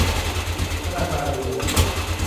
ธนาคารยูโอบี